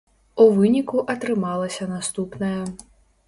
У выніку атрымалася наступнае.